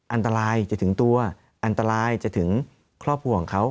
อันตรายจะถึงตัวอันตรายจะถึงครอบครัวของเขา